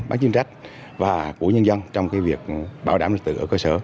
bán chính trách và của nhân dân trong cái việc bảo đảm lực tượng ở cơ sở